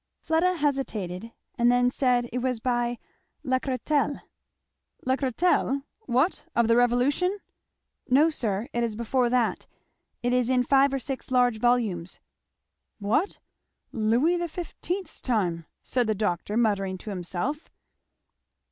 Fleda hesitated and then said it was by Lacretelle. "Lacretelle? what, of the Revolution?" "No sir, it is before that; it is in five or six large volumes." "What, Louis XV's time!" said the doctor muttering to himself.